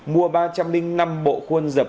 mua ba trăm linh năm bộ khuôn dập